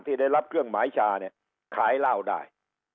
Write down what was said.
ที่ได้รับเครื่องหมายชาเนี่ยขายเหล้าได้